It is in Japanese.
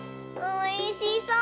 おいしそう！